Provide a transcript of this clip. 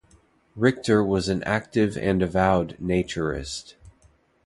Richter was an active and avowed naturist.